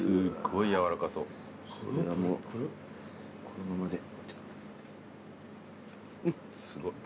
このままで。